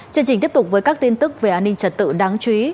chương trình tiếp tục với các tin tức về an ninh trật tự đáng chú ý